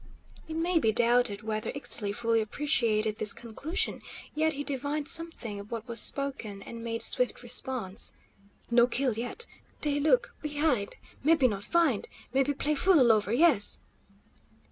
It may be doubted whether Ixtli fully appreciated this conclusion, yet he divined something of what was spoken, and made swift response: "No kill yet. Dey look, we hide. Mebbe not find. Mebbe play fool all over yes!"